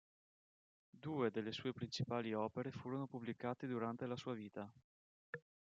Due delle sue principali opere furono pubblicate durante la sua vita.